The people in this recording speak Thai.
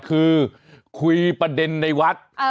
คือคุยประเด็นในวัด